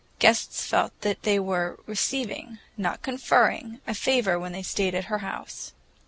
Guests felt that they were receiving, not conferring, a favor when they stayed at her house.